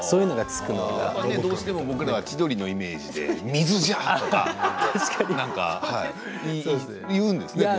僕らはどうしても千鳥のイメージで水じゃ！とか言うんですね。